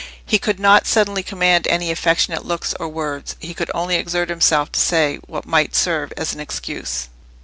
He could not suddenly command any affectionate looks or words; he could only exert himself to say what might serve as an excuse.